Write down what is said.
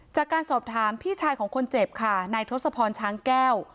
จากการสอบถามพี่ชายของคนเจ็บค่ะนายทศพรช้างแก้ว